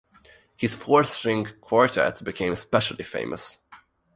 His four string quartets became especially famous.